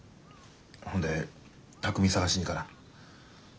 ほんで巧海捜しに行かな。